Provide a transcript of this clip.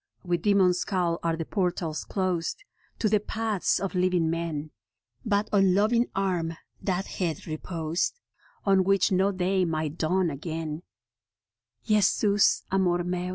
With demon scowl are the portals closed To the paths of living men ; But on loving Arm that head reposed On which no day might dawn again, Jesus Amor Meus.